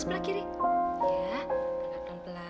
coba turun nih pelan pelan